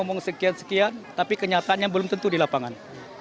artinya mereka bisa saja ngomong sekian sekian tapi kenyataannya belum tentu di lapangan